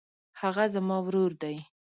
هغه زما ورور دی.